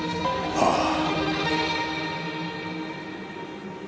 ああ。